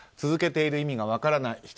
続けている意味が分からない。